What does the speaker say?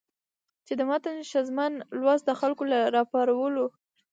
چې د متن ښځمن لوست د خلکو له راپارولو